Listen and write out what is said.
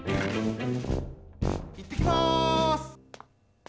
いってきます！